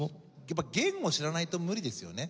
やっぱ言語を知らないと無理ですよね。